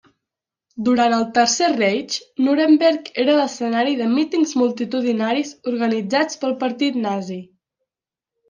Durant el Tercer Reich Nuremberg era l'escenari de mítings multitudinaris organitzats pel Partit Nazi.